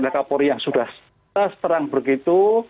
dekapori yang sudah seterang begitu